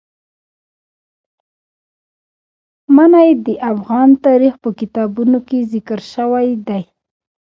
منی د افغان تاریخ په کتابونو کې ذکر شوی دي.